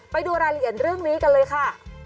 ไปดูรายละเอียดเรื่องนี้กันเลยค่ะ